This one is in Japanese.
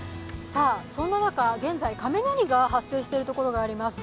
そんな中、現在、雷が発生しているところがあります。